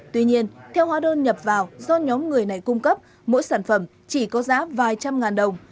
tuy nhiên theo hóa đơn nhập vào do nhóm người này cung cấp mỗi sản phẩm chỉ có giá vài trăm ngàn đồng